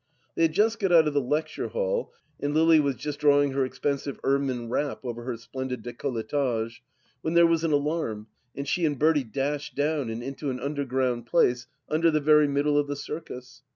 They had just got out of the lecture hall, and Lily was just drawing her expensive ermine wrap over her splendid dicoUetage, when there was an alarm and she and Bertie dashed down and into an underground place under the very middle of the Circus.